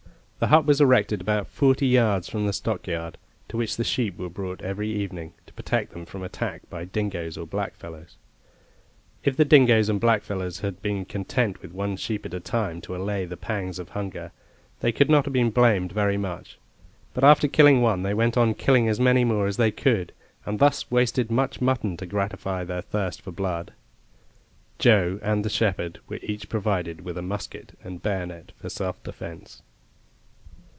The hut was erected about forty yards from the stockyard, to which the sheep were brought every evening, to protect them from attack by dingoes or blackfellows. If the dingoes and blackfellows had been content with one sheep at a time to allay the pangs of hunger, they could not have been blamed very much; but after killing one they went on killing as many more as they could, and thus wasted much mutton to gratify their thirst for blood. Joe and the shepherd were each provided with a musket and bayonet for self defence.